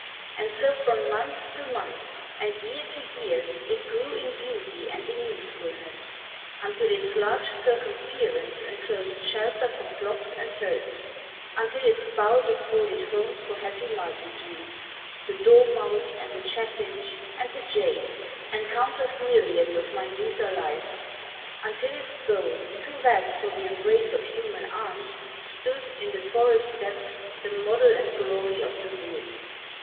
And so from month to month, and year to year, It grew in beauty and in usefulness, Until its large circumference enclosed Shelter for flocks and herds; until its boughs Afforded homes for happy multitudes The dormouse and the chaffinch and the jay And countless myriads of minuter life; Until its bole, too vast for the embrace Of human arms, stood, in the forest depths, The model and glory of the wood.